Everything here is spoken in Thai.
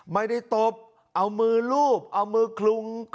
ไม่ได้ตบเอามือลูบเอามือคลึงหัวเด็กเฉย